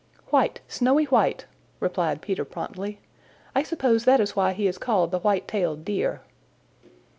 "White, snowy white," replied Peter promptly. "I suppose that is why he is called the White tailed Deer."